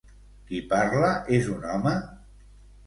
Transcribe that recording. Qui parla és un home?